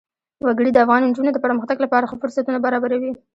وګړي د افغان نجونو د پرمختګ لپاره ښه فرصتونه برابروي.